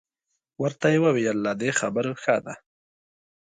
ورته یې وویل له دې خبرو ښه ده.